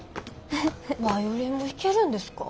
バイオリンも弾けるんですか？